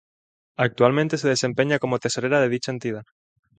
Actualmente se desempeña como tesorera de dicha entidad.